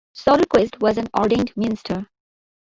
Soderquist was an ordained minister.